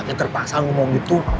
kakek terpaksa ngomong gitu